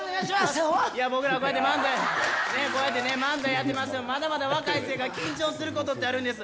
いや、僕らもこうやって漫才やってますけどまだまだ若いせいか緊張することってあるんです。